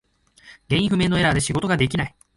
原因不明のエラーで仕事ができない。